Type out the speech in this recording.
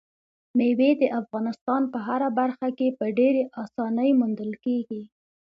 مېوې د افغانستان په هره برخه کې په ډېرې اسانۍ موندل کېږي.